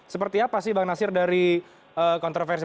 seperti apa sih bang nasir dari kontroversi